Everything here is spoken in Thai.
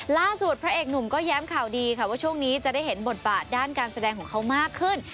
พระเอกหนุ่มก็แย้มข่าวดีค่ะว่าช่วงนี้จะได้เห็นบทบาทด้านการแสดงของเขามากขึ้น